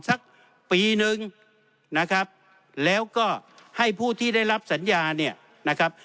สักปีหนึ่งนะครับแล้วก็ให้ผู้ที่ได้รับสัญญาเนี่ยนะครับ